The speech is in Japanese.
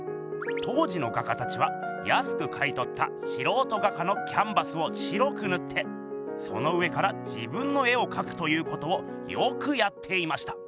当時の画家たちはやすく買いとったしろうと画家のキャンバスを白くぬってその上から自分の絵をかくということをよくやっていました。